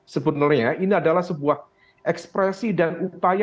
sebenarnya ini adalah sebuah ekspresi dan upaya